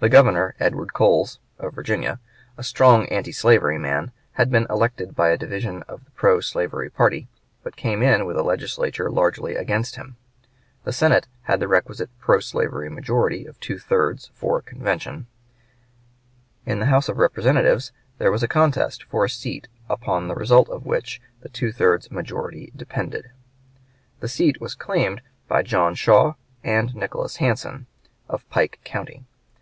The Governor, Edward Coles, of Virginia, a strong antislavery man, had been elected by a division of the pro slavery party, but came in with a Legislature largely against him. The Senate had the requisite pro slavery majority of two thirds for a convention. In the House of Representatives there was a contest for a seat upon the result of which the two thirds majority depended. The seat was claimed by John Shaw and Nicholas Hansen, of Pike County.